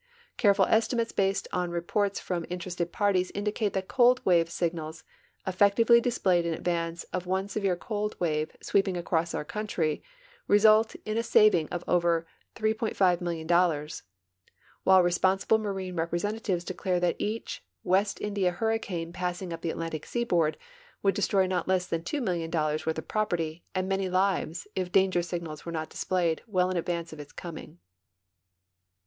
Careful estimates based on reports from interested parties indicate that cold wave signals effectively displayed in advance of one severe cold wave sweeping across our country re sult in a saving of over $3,500,000, Avhile responsible marine re[)re3entatives declare that each West India hurricane passing up the Atlantic seaboard would destro}'' not less than $2,000,000 worth of property and many lives if danger signals were not dis played well in advance of its coming.